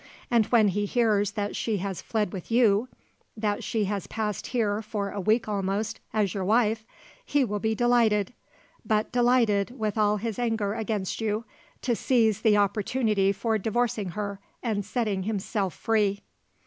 And when he hears that she has fled with you, that she has passed here, for a week almost, as your wife, he will be delighted but delighted, with all his anger against you to seize the opportunity for divorcing her and setting himself free."